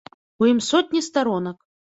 У ім сотні старонак.